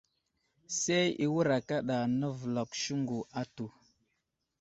Say i wə́rà kaɗa navəlakw siŋgu atu.